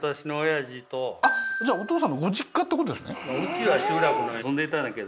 あっじゃあお父さんのご実家ってことですねあっ